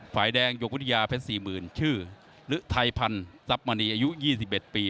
ฝ่ายแดงยกวุฒิยาแพทย์๔๐ชื่อหรือไทยพันธ์ทรัพมณีอายุ๒๑ปี